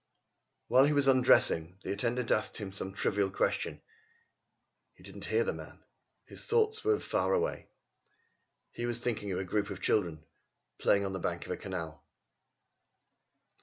While he was undressing the attendant asked him some trivial question. He did not hear the man. His thoughts were far away. He was thinking of a group of children playing on the bank of a canal.